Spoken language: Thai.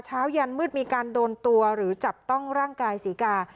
ยันมืดมีการโดนตัวหรือจับต้องร่างกายศรีกา